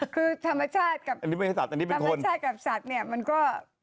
คือธรรมชาติกับสัตว์มันก็